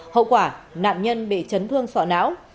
hậu quả nạn nhân bị chấn thương sọ não